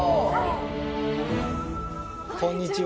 こんにちは。